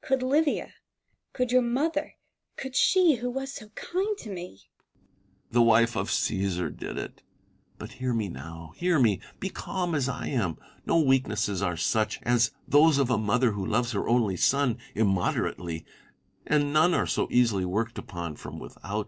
Could Livia, could your mother, could she who was so kind to me Tiheriiis. The wife of Ciesar did it. But hear me now ; hear me : be calm as I am. No weaknesses are such as those of a mother who loves her only son immoderately ; and none are so easily worked upon from without.